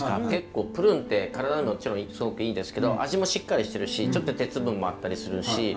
結構プルーンって体にももちろんすごくいいですけど味もしっかりしてるしちょっと鉄分もあったりするし。